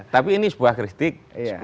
tapi ini sebuah kritik